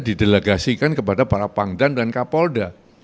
didelegasikan kepada para pangdam dan kapolda